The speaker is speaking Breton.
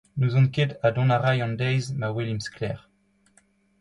N'ouzon ket ha dont a ray an deiz ma welimp sklaer.